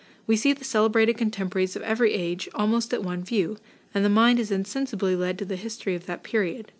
We see the celebrated contemporaries of every age almost at one view; and the mind is insensibly led to the history of that period.